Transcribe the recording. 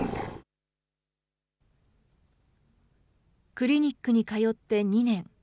クリニックに通って２年。